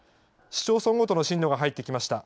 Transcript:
市町村ごとの震度が入ってきました。